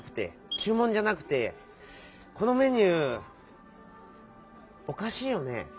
ちゅう文じゃなくてこのメニューおかしいよね？